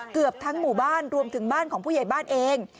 เกือบทั้งหมู่บ้านรวมถึงบ้านของผู้ใหญ่บ้านเอง